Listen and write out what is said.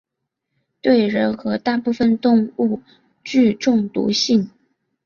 对人和大部分动物具中毒性。